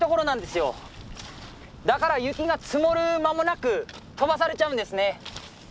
だから雪が積もる間もなく飛ばされちゃうんですね。